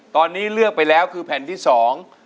ตอนนี้เลือกไปแล้วคือแผ่นที่สอง